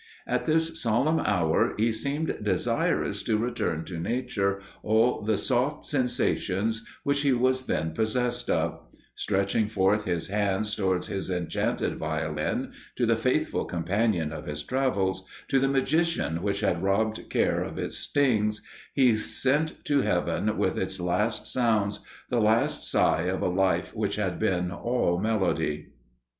At this solemn hour, he seemed desirous to return to Nature all the soft sensations which he was then possessed of; stretching forth his hands towards his enchanted Violin to the faithful companion of his travels to the magician which had robbed care of its stings he sent to heaven, with its last sounds, the last sigh of a life which had been all melody."